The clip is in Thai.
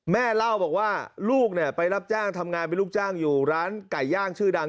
แม่เล่าบอกว่าลูกไปรับจ้างทำงานเป็นลูกจ้างอยู่ร้านไก่ย่างชื่อดัง